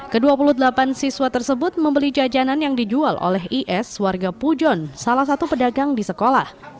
ke dua puluh delapan siswa tersebut membeli jajanan yang dijual oleh is warga pujon salah satu pedagang di sekolah